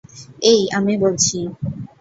এই, আমি বলছি!